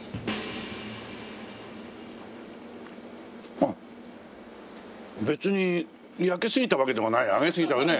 あっ別に焼けすぎたわけではないね揚げすぎてはね。